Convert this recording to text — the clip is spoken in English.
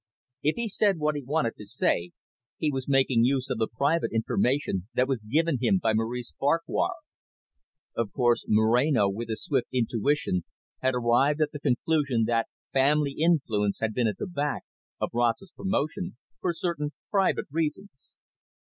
If he said what he wanted to say, he was making use of the private information that was given him by Maurice Farquhar. Of course, Moreno, with his swift intuition, had arrived at the conclusion that family influence had been at the back of Rossett's promotion, for certain private reasons.